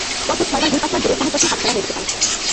পরপর ছয়বার ভুল পাসওয়ার্ড দিলে ফোনের তথ্য হাতছাড়া হয়ে যেতে পারে।